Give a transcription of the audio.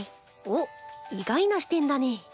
おっ意外な視点だね。